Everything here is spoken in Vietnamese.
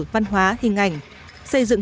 văn hóa hình ảnh